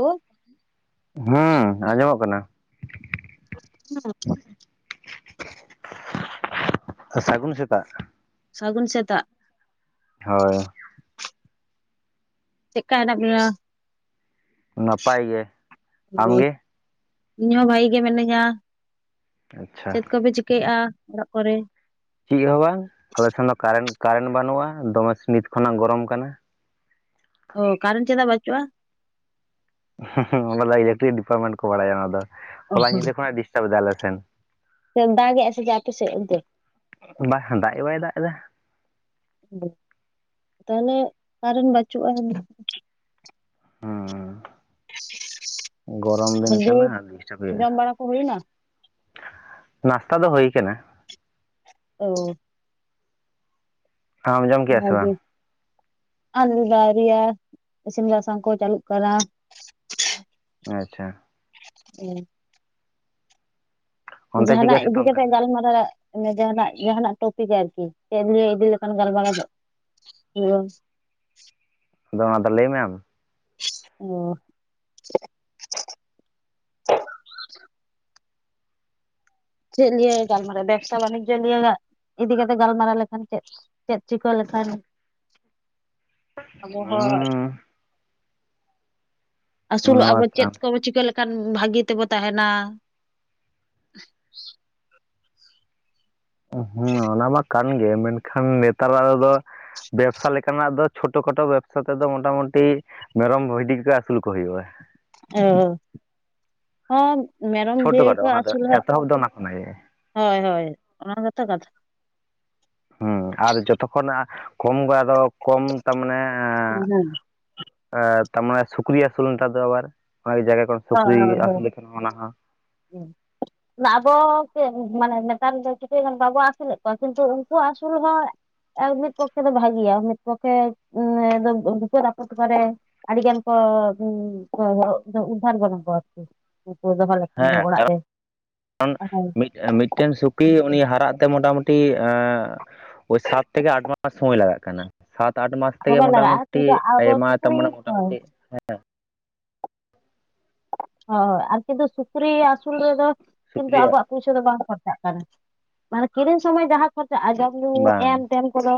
ᱚ [unintelligible] ᱦᱩᱸ ᱟᱸᱡᱚᱢᱚᱜ ᱠᱟᱱᱟ᱾ ᱦᱮᱸ ᱥᱟᱹᱜᱩᱱ ᱥᱮᱛᱟᱜ᱾ ᱥᱟᱹᱜᱩᱱ ᱥᱮᱛᱟᱜ᱾ ᱦᱳᱭ, ᱪᱮᱫᱠᱟ ᱦᱮᱱᱟᱜ ᱵᱤᱸᱱᱟ? ᱱᱟᱯᱟᱭ ᱜᱮ, ᱟᱢ ᱦᱳᱭ ᱜᱮ? ᱤᱧ ᱦᱚᱸ ᱵᱷᱟᱜᱮ ᱜᱮ ᱢᱤᱱᱟᱹᱧᱟ, ᱟᱪᱪᱷᱟ ᱪᱮᱫ ᱠᱚᱯᱮ ᱪᱤᱠᱟᱹᱭᱮᱜᱼᱟ? ᱚᱲᱟᱜ ᱠᱚᱨᱮ,? ᱪᱤᱜ ᱦᱚᱸ ᱵᱟᱝ, ᱟᱞᱮ ᱥᱮᱱ ᱫᱚ ᱠᱟᱨᱮᱱᱴ ᱠᱟᱨᱮᱱᱴ ᱵᱟᱹᱱᱩᱜᱼᱟ, ᱫᱚᱢᱮ ᱱᱤᱛ ᱠᱷᱚᱱᱟᱜ ᱜᱚᱨᱚᱢ ᱠᱟᱱᱟ᱾ ᱚ ᱠᱟᱨᱮᱱᱴ ᱪᱮᱫᱟᱜ ᱵᱟᱪᱩᱜᱼᱟ? ᱦᱩ, ᱦᱩ, ᱚᱱᱟ ᱫᱚ ᱤᱞᱮᱠᱴᱨᱤᱠ ᱰᱤᱯᱟᱨᱴᱢᱮᱱᱴ ᱠᱚ ᱵᱟᱲᱟᱭᱟ, ᱚᱱᱟ ᱫᱚ? ᱚ ᱦᱚᱞᱟ ᱧᱤᱫᱟᱹᱠᱷᱚᱱᱮ ᱰᱤᱥᱴᱟᱵ ᱫᱟ ᱟᱞᱮ ᱥᱮᱱ᱾ ᱦᱚᱸ ᱫᱟᱜᱮᱜᱼᱟ ᱥᱮ ᱪᱮᱫ ᱟᱯᱮ ᱥᱮᱫ ᱚᱱᱛᱮ? ᱵᱟ ᱫᱟᱜ ᱜᱮ ᱵᱟᱭ, ᱫᱟᱜ ᱫᱟ᱾ ᱛᱟᱦᱚᱞᱮ ᱠᱟᱨᱮᱱ ᱵᱟᱹᱪᱩᱜᱼᱟ, ᱡᱟᱱᱤᱡ ᱦᱩᱸ, [unintelligible] [inaudible] ᱜᱚᱨᱚᱢ ᱫᱤᱱ ᱫᱤᱭᱮ ᱠᱟᱱᱟ, ᱰᱤᱥᱴᱟᱯ ᱦᱳᱭᱳᱜᱼᱟ᱾ ᱡᱚᱢ ᱵᱟᱲᱟ ᱠᱚ ᱦᱩᱭᱱᱟ? ᱱᱟᱥᱛᱟ ᱫᱚ, ᱦᱳᱭ ᱠᱟᱱᱟ᱾ ᱚ, ᱟᱢ ᱡᱚᱢ ᱠᱮᱜᱼᱟ ᱥᱮ ᱵᱷᱟᱜᱮ ᱵᱟᱝ ᱜᱮ, ᱟᱞᱮᱫᱚ ᱟᱣᱨᱤᱭᱟ ᱤᱥᱤᱱ ᱵᱟᱥᱟᱝ ᱠᱚ ᱪᱟᱹᱞᱩᱜ ᱠᱟᱱᱟ᱾ ᱟᱪᱪᱷᱟ, ᱦᱮᱸ, ᱚᱱᱛᱮ ᱪᱮᱫᱠᱟᱭ ᱡᱟᱦᱟᱱᱟᱜ ᱤᱫᱤ ᱥᱤᱛᱩᱝ ᱠᱟᱛᱮᱜ ᱠᱟᱱᱟ ᱜᱟᱞᱢᱟᱨᱟᱨᱟᱜ ᱡᱟᱦᱟᱱᱟᱜ, ᱡᱟᱦᱟᱱᱟᱜ ᱴᱚᱯᱤᱤᱠ ᱟᱨᱠᱤ, ᱪᱮᱫ ᱞᱤᱭᱟᱹ ᱤᱫᱤ ᱞᱮᱠᱷᱟᱱ ᱜᱟᱞᱢᱟᱨᱟᱣ ᱦᱳᱭᱩᱜᱼᱟ᱾ ᱟᱫᱚ ᱚᱱᱟ ᱫᱚ ᱞᱟᱹᱭ ᱢᱮ ᱟᱢ? ᱚ, ᱪᱮᱫ ᱞᱤᱭᱟᱹ ᱜᱟᱞᱢᱟᱨᱟᱣ, ᱵᱮᱵᱽᱥᱟ ᱵᱟᱱᱤᱡᱽᱡᱚ ᱱᱤᱭᱮ ᱤᱫᱤ ᱠᱟᱛᱮ, ᱜᱟᱞᱢᱟᱨᱟᱣ ᱞᱮᱠᱷᱟᱱ ᱪᱮᱫ ᱪᱮᱫ ᱪᱤᱠᱟᱹ ᱞᱮᱠᱷᱟᱱ, ᱟᱵᱚ ᱦᱚᱸ? ᱟᱹᱥᱩᱞᱚᱜ ᱚᱱᱟ ᱢᱟ ᱟᱵᱚ, ᱪᱮᱫ ᱠᱚᱵᱚ ᱪᱤᱠᱟᱹ ᱞᱮᱠᱷᱟᱱ ᱵᱷᱟᱹᱜᱤ ᱛᱮᱵᱚ ᱛᱟᱦᱮᱱᱟ? [unintelligible] [inaudible] ᱦᱩᱸ ᱚᱱᱟ ᱢᱟ ᱠᱟᱱ ᱜᱮ, ᱢᱮᱱᱠᱷᱟᱱ ᱱᱮᱛᱟᱨᱟᱜ ᱨᱮᱫᱚ ᱦᱚᱭ ᱚᱠᱟ ᱞᱮᱠᱟᱱᱟᱜ ᱫᱚ ᱪᱷᱚᱴᱚ ᱠᱚᱴᱚ ᱵᱮᱵᱽᱥᱟ ᱛᱮᱫᱚ ᱢᱚᱴᱟᱢᱩᱴᱤ ᱢᱮᱨᱚᱢ ᱵᱷᱤᱰᱤ ᱠᱚ ᱟᱹᱥᱩᱞ ᱠᱚ ᱦᱩᱭᱩᱜ-ᱟ ᱾ ᱦᱚᱸ ᱢᱮᱨᱚᱢ ᱪᱷᱳᱴᱳ ᱵᱷᱤᱲᱤ ᱠᱚ ᱠᱷᱟᱴᱳ ᱚᱱᱟ ᱫᱚ ᱟᱥᱩᱞ ᱦᱚᱜ ᱮᱛᱚᱦᱚᱵ ᱫᱚ ᱚᱱᱟ ᱠᱷᱚᱱᱟᱜ ᱜᱮ ᱦᱚᱭ ᱦᱚᱭ ᱚᱱᱟ ᱜᱮᱛᱚ ᱠᱟᱛᱷᱟᱱ ᱾ ᱦᱩᱸ ᱟᱨ ᱡᱚᱛᱚᱠᱷᱚᱱᱟᱜ ᱠᱚᱢ ᱜᱮ ᱟᱫᱚ ᱠᱚᱢ ᱛ ᱢᱟᱱᱮ ᱟ ᱛᱟᱨ ᱢᱟᱱᱮ ᱥᱩᱠᱨᱤ ᱟᱥᱩᱞ ᱱᱮᱛᱟᱨ ᱫᱚ ᱟᱵᱟᱨ ᱚᱱᱮᱠ ᱡᱟᱭᱜᱟ ᱠᱚ ᱦᱳᱭ ᱦᱳᱭ ᱟᱵᱚᱜᱮ ᱢᱟᱱᱮ ᱱᱮᱛᱟᱨ ᱫᱚ ᱪᱤᱠᱷ ᱜᱟᱱ ᱵᱟᱵᱚ ᱟᱹᱥᱩᱞᱮᱫ ᱠᱚᱣᱟ ᱠᱤᱱᱛᱩ ᱩᱱᱠᱩ ᱟᱹᱥᱩᱞ ᱦᱚᱸ ᱟᱨ ᱢᱤᱫ ᱯᱚᱠᱷᱮ ᱫᱚ ᱵᱷᱟᱜᱤᱭᱟ ᱢᱤᱫ ᱯᱚᱠᱷᱮ ᱫᱚ ᱵᱤᱯᱚᱛ ᱟᱯᱚᱫ ᱠᱚᱨᱮ ᱟᱹᱰᱤ ᱜᱟᱱ ᱠᱚ [unintelligible] ᱥᱟᱨ ᱵᱟᱹᱱ ᱠᱚ ᱟᱨᱠᱤ ᱩᱱᱠᱩ ᱫᱚᱦᱚ ᱞᱮᱠᱷᱟᱱ ᱫᱚ ᱦᱮᱸ ᱚᱲᱟᱜ ᱠᱟᱨᱚᱱ ᱨᱮ ᱟᱨ ᱢᱤᱫ ᱢᱤᱫᱴᱮᱱ ᱥᱩᱠᱤ ᱩᱱᱤ ᱦᱟᱨᱟᱜ ᱛᱮ ᱢᱚᱴᱟᱢᱩᱴᱤ ᱳᱭ ᱥᱟᱛ ᱛᱷᱮᱠᱮ ᱟᱴ ᱢᱟᱥ ᱥᱚᱢᱚᱭ ᱞᱟᱜᱟᱜ ᱠᱟᱱᱟ᱾ ᱥᱟᱛ ᱟᱴ ᱢᱟᱥ ᱛᱮᱜᱮ ᱞᱟᱜᱟᱜᱼᱟ ᱢᱚᱴᱟᱢᱩᱴᱤ ᱠᱤᱱᱛᱩ ᱟᱵᱚ ᱟᱭᱢᱟ ᱛᱟᱱ ᱥᱩᱠᱨᱤ ᱦᱳᱭ ᱢᱚᱴᱟᱢᱩᱴᱤ ᱦᱮᱸ ᱦᱚᱭ ᱟᱨ ᱠᱤᱱᱛᱩ ᱥᱩᱠᱨᱤ ᱟᱥᱩᱞ ᱨᱮ ᱫᱚ ᱠᱤᱱᱛᱩ ᱥᱩᱠᱨᱤᱭᱟᱜ ᱟᱵᱚᱣᱟᱜ ᱯᱩᱭᱥᱟᱹ ᱫᱚ ᱵᱟᱝ ᱠᱷᱚᱨᱪᱟᱜ ᱠᱟᱱᱟ ᱢᱟᱱᱮ ᱠᱤᱨᱤᱧ ᱥᱚᱢᱚᱭ ᱡᱟᱦᱟᱸ ᱠᱷᱚᱨᱪᱟ ᱟᱸᱡᱚᱢ ᱵᱟᱝ ᱮᱢ ᱛᱮᱢ ᱠᱚᱫᱚ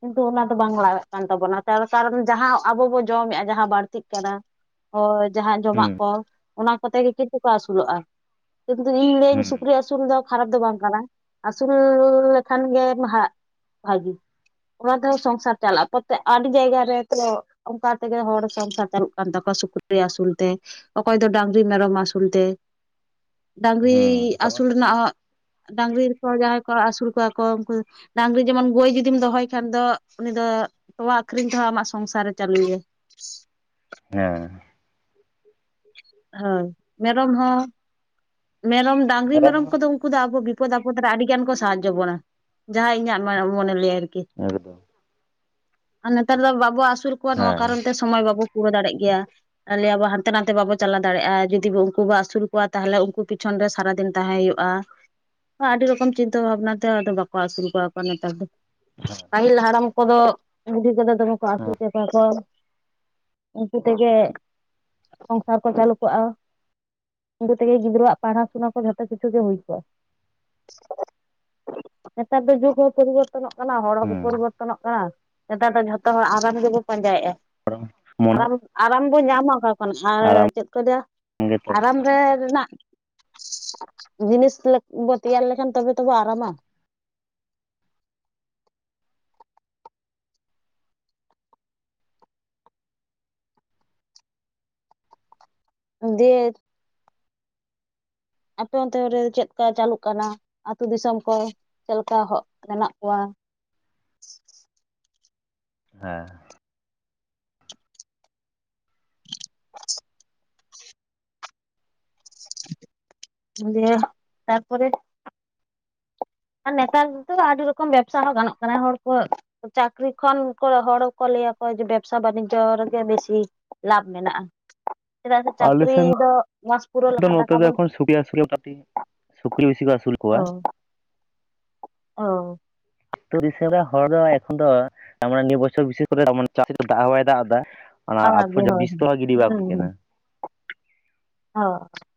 ᱠᱤᱱᱛᱩ ᱚᱱᱟ ᱫᱚ ᱵᱟᱝ ᱞᱟᱜᱟᱜ ᱠᱟᱱ ᱛᱟᱵᱚᱱᱟ ᱠᱟᱨᱚᱱ ᱡᱟᱦᱟᱸ ᱟᱵᱚ ᱵᱚᱱ ᱡᱚᱢᱮᱫᱼᱟ ᱡᱟᱦᱟᱸ ᱵᱟᱹᱲᱛᱤᱜ ᱠᱟᱱᱟ, [unintelligible] ᱡᱟᱦᱟᱸ ᱡᱚᱢᱟᱜ ᱦᱩᱸ ᱠᱚ ᱚᱱᱟ ᱠᱚᱛᱮ ᱜᱮ ᱠᱤᱱᱛᱩ ᱠᱚ ᱟᱹᱥᱩᱞᱚᱜᱼᱟ ᱠᱤᱱᱛᱩ ᱤᱧ ᱞᱟᱹᱭᱟᱹᱧ ᱦᱩᱸ ᱥᱩᱠᱨᱤ ᱟᱹᱥᱩᱞ ᱫᱚ ᱠᱷᱟᱨᱟᱯ ᱫᱚ ᱵᱟᱝ ᱠᱟᱱᱟ ᱟᱹᱥᱩᱞ ᱞᱮᱠᱷᱟᱱ ᱜᱮ ᱵᱷᱟᱜᱤ ᱚᱱᱟ ᱛᱮᱦᱚᱸ ᱥᱚᱝᱥᱟᱨ ᱪᱟᱞᱟᱜ-ᱟ ᱛᱚ ᱟᱹᱰᱤ ᱡᱟᱭᱜᱟ ᱨᱮ ᱛᱚ ᱚᱱᱠᱟ ᱛᱮᱜᱮ ᱦᱚᱲ ᱥᱚᱝᱥᱟᱨ ᱪᱟᱞᱩᱜ ᱠᱟᱱ ᱛᱟᱠᱚᱣᱟ ᱥᱩᱠᱨᱤ ᱟᱹᱥᱩᱞ ᱛᱮ, ᱚᱠᱚᱭ ᱫᱚ ᱰᱟᱝᱨᱤ ᱢᱮᱨᱚᱢ ᱟᱹᱥᱩᱞ ᱛᱮ ᱰᱟᱝᱨᱤ ᱦᱩᱸ ᱛᱚᱢᱟ ᱟᱹᱥᱩᱞ ᱥᱟᱜ ᱨᱮᱱᱟᱜ ᱰᱟᱝᱨᱤ ᱨᱮᱠᱚ ᱡᱟᱦᱟᱸᱭ ᱠᱚ ᱟᱹᱥᱩᱞ ᱠᱚᱣᱟ ᱠᱚ ᱩᱱᱠᱩ ᱰᱟᱝᱨᱤ ᱡᱮᱢᱚᱱ ᱜᱟᱹᱭ ᱡᱩᱫᱤᱢ ᱫᱚᱦᱚᱭ ᱠᱷᱟᱱ ᱫᱚ ᱩᱱᱤ ᱫᱚ ᱛᱚᱣᱟ ᱟᱠᱷᱨᱤᱧ ᱛᱮᱦᱚᱸ ᱟᱢᱟᱜ ᱥᱚᱝᱥᱟᱨᱮ ᱪᱟᱹᱞᱩᱭᱟ᱾ ᱦᱮᱸ ᱦᱳᱭ ᱢᱮᱨᱚᱢ ᱦᱚᱸ ᱢᱮᱨᱚᱢ ᱰᱟᱝᱨᱤ ᱢᱮᱨᱚᱢ ᱠᱚᱫᱚ ᱩᱱᱠᱩ ᱫᱚ ᱟᱵᱚ ᱵᱤᱯᱚᱫ ᱟᱯᱚᱫ ᱨᱮ ᱟᱹᱰᱤ ᱜᱟᱱ ᱠᱚ ᱥᱟᱦᱟᱡᱚ ᱵᱚᱱᱟ ᱡᱟᱦᱟᱸ ᱤᱧᱟᱹᱜ ᱢᱚᱱᱮ ᱞᱟᱹᱭ ᱟ ᱟᱨᱠᱤ᱾ ᱮᱠᱫᱚᱢ ᱟᱨ ᱱᱮᱛᱟᱨ ᱫᱚ ᱵᱟᱵᱩ ᱟᱥᱩᱨ ᱠᱚ ᱱᱚᱣᱟ ᱦᱮᱸ ᱠᱚᱱ ᱛᱮ ᱥᱚᱢᱚᱭ ᱵᱟᱵᱚ ᱯᱩᱨᱟᱹ ᱫᱟᱲᱮᱭᱟᱜ ᱜᱮᱭᱟ ᱦᱟᱱᱛᱮ ᱞᱟᱹᱭ ᱟᱵᱚ ᱦᱟᱱᱛᱮ ᱱᱟᱛᱮ ᱵᱟᱵᱚ ᱪᱟᱞᱟᱣ ᱫᱟᱲᱮᱭᱟᱜ-ᱟ᱾ ᱡᱩᱫᱤ ᱩᱱᱠᱩ ᱵᱚᱱ ᱟᱹᱥᱩᱞ ᱠᱚᱣᱟ ᱛᱟᱦᱚᱞᱮ ᱩᱱᱠᱩ ᱯᱤᱪᱷᱚᱱ ᱨᱮ ᱥᱟᱨᱟᱫᱤᱱ ᱛᱟᱦᱮᱸᱟᱸ ᱦᱳᱭ-ᱟ᱾ ᱟᱹᱰᱤ ᱨᱚᱠᱚᱢ ᱪᱤᱱᱛᱟᱹ ᱵᱷᱟᱵᱱᱟ ᱛᱮ ᱟᱫᱚ ᱵᱟᱠᱚ ᱟᱹᱥᱩᱞ ᱠᱚᱣᱟ ᱠᱚᱣᱟ ᱱᱮᱛᱟᱨ ᱫᱚ᱾ ᱯᱟᱹᱦᱤᱞ ᱦᱟᱲᱟᱢ ᱠᱚᱫᱚ ᱵᱷᱤᱰᱤ ᱠᱚᱫᱚ ᱫᱚᱢᱮ ᱠᱚ ᱟᱥᱩᱞ ᱠᱮ ᱠᱚᱣᱟ ᱠᱚ ᱩᱱᱠᱩ ᱛᱮᱜᱮ ᱥᱟᱨ ᱠᱚ ᱪᱟᱞᱩ ᱠᱚᱜᱼᱟ ᱩᱱᱠᱩ ᱛᱮᱜᱮ ᱜᱤᱫᱽᱨᱟᱹᱣᱟᱜ ᱯᱟᱲᱦᱟᱥᱩᱱᱟ ᱠᱚ ᱡᱷᱚᱛᱚ ᱠᱤᱪᱷᱩ ᱜᱮ ᱦᱩᱭ ᱠᱚᱜᱼᱟ᱾ ᱱᱮᱛᱟᱨ ᱫᱚ ᱡᱩᱜᱽ ᱦᱚᱸ ᱯᱚᱨᱤᱵᱚᱨᱛᱚᱱᱚᱜ ᱠᱟᱱᱟ ᱦᱚᱲ ᱦᱚᱸᱠᱚ ᱦᱩᱸ ᱯᱚᱨᱤᱵᱚᱨᱛᱚᱱᱚᱜ ᱠᱟᱱᱟ᱾ ᱱᱮᱛᱟᱨ ᱫᱚ ᱡᱷᱚᱛᱚ ᱦᱚᱲ ᱟᱨᱟᱢ ᱜᱮᱵᱚ ᱯᱟᱱᱡᱟᱭᱮᱫᱼᱟ᱾ ᱢᱚᱱᱮ ᱟᱨᱟᱢ ᱦᱚᱸ ᱟᱨᱟᱢ ᱵᱚᱱ ᱧᱟᱢᱟ ᱚᱠᱟ ᱠᱷᱚᱱ ᱟᱨ ᱟᱨᱟᱢ ᱪᱮᱫ ᱠᱚ ᱞᱮᱹᱭᱟ ᱜᱮᱛᱚ ᱟᱨᱟᱢ ᱨᱮᱱᱟᱜ ᱡᱤᱱᱤᱥ ᱞᱮᱠ ᱵᱚ ᱛᱮᱭᱟᱨ ᱞᱮᱠᱷᱟᱱ ᱛᱚᱵᱮ ᱛᱚᱵᱚ ᱟᱨᱟᱢᱟ᱾ ᱫᱤᱭᱮ ᱟᱯᱮ ᱚᱱᱛᱮ ᱨᱮ ᱪᱮᱫ ᱠᱟ ᱪᱟᱞᱩᱜ ᱠᱟᱱᱟ ᱟᱛᱩ ᱫᱤᱥᱚᱢ ᱠᱚ ᱪᱮᱫ ᱞᱮᱠᱟ ᱦᱚ ᱢᱮᱱᱟᱜ ᱠᱚᱣᱟ᱾ ᱦᱮᱸ [unintelligible] ᱫᱤᱭᱮ ᱛᱟᱨᱯᱚᱨᱮ ᱟᱨ ᱱᱮᱛᱟᱨ ᱫᱚ ᱟᱰᱤ ᱨᱚᱠᱚᱢ ᱵᱮᱵᱥᱟ ᱦᱚᱸ ᱜᱟᱱᱚᱜ ᱠᱟᱱᱟ ᱦᱚᱲ ᱠᱚ ᱪᱟᱠᱨᱤ ᱠᱷᱚᱱ ᱠᱚ ᱦᱚᱲ ᱠᱚ ᱞᱮᱹᱭᱟ ᱠᱚ ᱡᱮ ᱵᱮᱵᱥᱟ ᱵᱟᱱᱤᱡᱚ ᱨᱮᱜᱮ ᱵᱮᱥᱤ ᱞᱟᱵᱷ ᱢᱮᱱᱟᱜᱼᱟ ᱪᱮᱫᱟᱜ ᱥᱮ ᱪᱟᱠᱨᱤ ᱫᱚ ᱢᱚᱪ ᱛᱚ ᱱᱚᱛᱮ ᱫᱚ ᱮᱠᱷᱚᱱ ᱥᱩᱠᱨᱤ ᱟᱥᱩᱞ ᱢᱚᱴᱟᱢᱩᱴᱤ ᱥᱩᱠᱨᱤ ᱵᱤᱥᱤ ᱠᱚ ᱟᱥᱩᱞ ᱠᱚᱣᱟ᱾ [unintelligible] ᱟᱹᱛᱩ ᱫᱤᱥᱚᱢ ᱨᱮᱱ ᱦᱚᱲ ᱫᱚ ᱮᱠᱷᱚᱱ ᱫᱚ ᱢᱟᱱᱮ ᱱᱤᱭᱟᱹ ᱵᱚᱪᱷᱚᱨ ᱵᱮᱥᱤ ᱠᱚᱨᱮ ᱪᱟᱥ ᱨᱮᱫᱚ ᱫᱟᱜ ᱦᱚᱸ ᱵᱟᱭ ᱫᱟᱜ ᱮᱫᱟ, ᱚᱱᱟ ᱠᱷᱟᱣᱟ ᱜᱮ ᱟᱯᱷᱚᱡᱟ ᱦᱳᱭ ᱵᱤᱥ ᱛᱮᱦᱚ ᱜᱤᱰᱤ ᱵᱟᱝ ᱦᱩᱭ ᱠᱟᱱᱟ, ᱦᱳᱭ [unintelligible]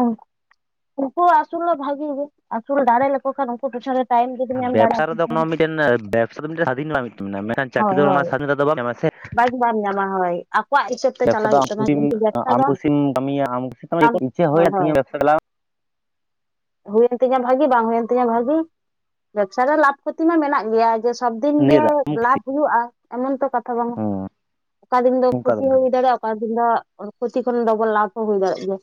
ᱩᱱᱠ ᱩᱱᱠᱩ ᱟᱹᱥᱩᱞ ᱦᱚᱸ ᱵᱷᱟᱜᱤ ᱜᱮ ᱟᱹᱥᱩᱞ ᱫᱟᱲᱮ ᱞᱮᱠᱚ ᱠᱷᱟᱱ ᱩᱱᱠᱩ ᱯᱤᱪᱷᱚᱱ ᱨᱮ ᱴᱟᱭᱤᱢ ᱡᱚᱫᱤᱢ ᱮᱢ ᱫᱟᱲᱮᱭᱟ ᱠᱷᱟᱱ [unintelligible] ᱦᱳᱭ ᱦᱳᱭ ᱵᱟᱡ ᱵᱟᱢ ᱧᱟᱢᱟ ᱦᱳᱭ ᱟᱠᱚᱣᱟᱜ ᱦᱤᱥᱟᱹᱵ ᱛᱮ ᱵᱮᱵᱥᱟ ᱪᱟᱞᱟᱜ ᱫᱚ ᱦᱩᱭᱩᱜ ᱛᱟᱢᱟ ᱠᱩᱥᱤᱢ ᱠᱤᱱᱛᱩ ᱵᱮᱵᱽᱥᱟ ᱟᱢ ᱫᱚ ᱠᱩᱥᱤᱢ ᱠᱟᱹᱢᱤᱭᱟ ᱟᱢ ᱠᱩᱥᱤᱢ ᱛ ᱟᱢ [unintelligible] ᱪᱮᱫ ᱦᱳᱭ ᱦᱳᱭᱟ ᱦᱳᱭ ᱛᱤᱧᱟ [unintelligible] ᱦᱩᱭᱮᱱ ᱛᱤᱧᱟ ᱵᱷᱟᱜᱤ ᱵᱟᱝ ᱦᱩᱭᱮᱱ ᱛᱤᱧᱟ ᱵᱷᱟᱹᱜᱤ ᱵᱮᱵᱽᱥᱟ ᱨᱮ ᱞᱟᱵᱷ ᱠᱷᱚᱛᱤ ᱢᱟ ᱢᱮᱱᱟᱜ ᱜᱮᱭᱟ, ᱡᱮ ᱥᱚᱵ ᱫᱤᱱᱜᱮ ᱱᱤᱭᱟᱹ ᱫᱟᱜ ᱞᱟᱵᱷ ᱦᱩᱭᱩᱜᱼᱟ ᱮᱢᱚᱱ ᱛᱚ ᱠᱟᱛᱷᱟ ᱵᱟᱝᱼᱟ ᱦᱮᱸ, ᱚᱠᱟ ᱫᱤᱱ ᱫᱚ ᱠᱷᱚᱛᱤ ᱦᱚᱸ ᱦᱩᱭ ᱫᱟᱲᱮᱭᱟᱜᱼᱟ, ᱚᱠᱟ ᱫᱤᱱ ᱫᱚ ᱠᱷᱚᱛᱤ ᱠᱷᱚᱱ ᱰᱚᱵᱚᱞ ᱞᱟᱵᱷ ᱦᱚᱸ ᱦᱩᱭ ᱫᱟᱲᱮᱭᱟᱜ ᱜᱮᱭᱟ᱾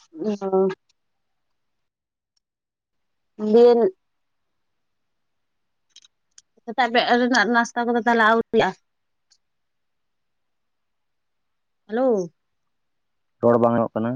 [unintelligible] ᱫᱤᱭᱮᱱ, ᱥᱮᱛᱟᱜ ᱵᱮᱫ ᱨᱮᱱᱟᱜ ᱱᱟᱥᱛᱟ ᱠᱚᱫᱚ ᱛᱟᱦᱚᱞᱮ ᱟᱹᱣᱭᱨᱤ ᱭᱟᱜ-ᱟ, ᱦᱮᱞᱳ᱾ ᱨᱚᱲ ᱵᱟᱝ ᱚᱜ ᱠᱟᱱᱟ᱾